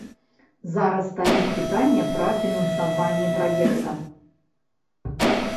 Зараз стаіць пытанне пра фінансаванне праекта.